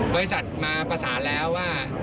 บริษัทมาประสานแล้วว่า